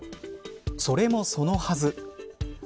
それもそのはず。